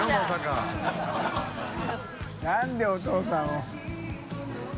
覆鵑お父さんを。